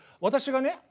私がね